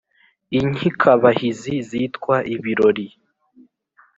Inkikabahizi zitwa ibirori.